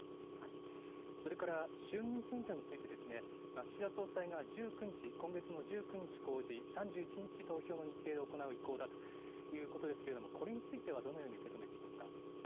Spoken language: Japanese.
それから衆議院選挙について、岸田総裁が１９日、今月の１９日公示、３１日投票の日程で行う意向だということですけれども、これについてはどのように受け止めていますか。